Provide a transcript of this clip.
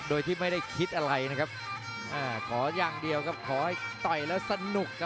จังหวาดึงซ้ายตายังดีอยู่ครับเพชรมงคล